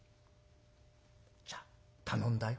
「じゃあ頼んだよ」。